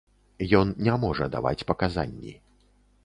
Ён не можа даваць паказанні.